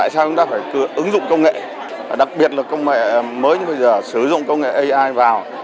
tại sao chúng ta phải ứng dụng công nghệ đặc biệt là công nghệ mới như bây giờ sử dụng công nghệ ai vào